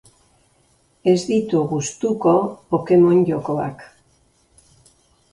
Ez ditu gustuko Pokemon jokoak.